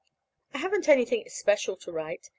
I haven't anything especial to write.